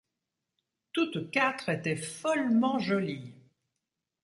Toutes quatre étaient follement jolies.